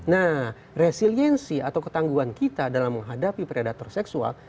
nah resiliensi atau ketangguhan kita dalam menghadapi predator seksual